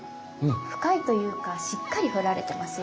深いというかしっかり彫られてますよね。